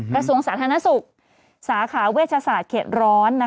กระทรวงสาธารณสุขสาขาเวชศาสตร์เขตร้อน